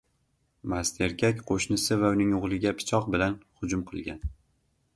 Mast erkak qo‘shnisi va uning o‘g‘liga pichoq bilan hujum qilgan